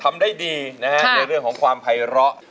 ทำได้ดีนะฮะในเรื่องของความภัยร้อ